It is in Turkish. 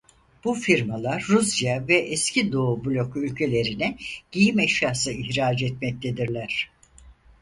Bu firmalar Rusya ve eski Doğu Bloku ülkelerine giyim eşyası ihraç etmektedirler.